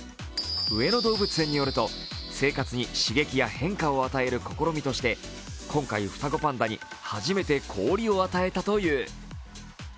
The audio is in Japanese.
上野動物園によると、生活に刺激や変化を与える試みとして今回、双子パンダに初めて氷を与えたという。